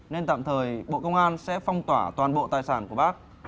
nên tạm thời bộ công an sẽ phong tỏa toàn bộ tài sản của bác